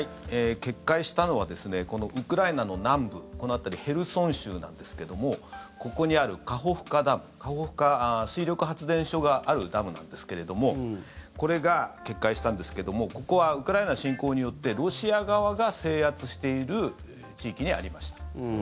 決壊したのはこのウクライナの南部、この辺りヘルソン州なんですけどもここにあるカホフカダムカホフカ水力発電所があるダムなんですけれどもこれが決壊したんですけどもここはウクライナ侵攻によってロシア側が制圧している地域にありました。